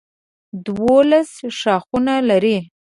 دولس ښاخونه لري.